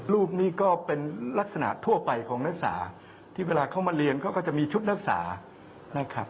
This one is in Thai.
รูปนี้ก็เป็นลักษณะทั่วไปของนักศึกษาที่เวลาเขามาเรียนเขาก็จะมีชุดรักษานะครับ